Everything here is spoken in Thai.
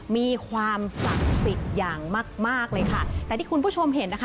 มีความศักดิ์สิทธิ์อย่างมากมากเลยค่ะแต่ที่คุณผู้ชมเห็นนะคะ